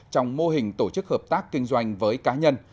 trong mô hình tổ chức hợp tác kinh doanh với cá nhân